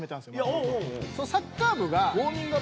そのサッカー部が。